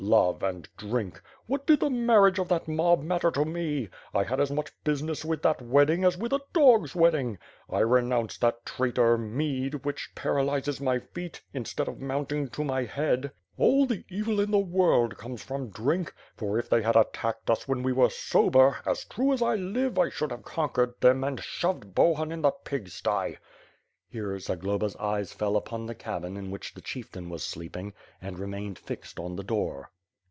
Love and drink. What did the marriage of that mob matter to me? I had as much business with that wedding as with a dog's wedding. I renounce that traitor, mead, which paralyzes my feet, instead of mounting to my head. All the WITH FIRE AND SWORD. 489 evil in the world comes from drink; for, if they had attacked us when we were sober, as true as I live, I should have con quered them and shoved Bohun in the pig sty." Here, Zag loba's eyes fell upon the cabin in which the chieftain was sleeping, and remained fixed on the door.